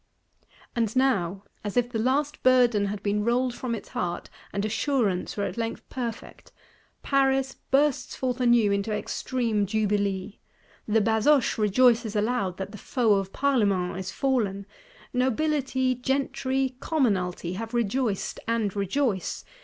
And now, as if the last burden had been rolled from its heart, and assurance were at length perfect, Paris bursts forth anew into extreme jubilee. The Basoche rejoices aloud, that the foe of Parlements is fallen; Nobility, Gentry, Commonalty have rejoiced; and rejoice.